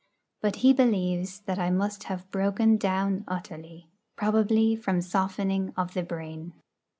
But he believes that I must have broken down utterly, probably from softening of the brain.